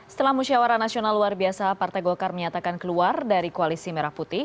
setelah musyawara nasional luar biasa partai golkar menyatakan keluar dari koalisi merah putih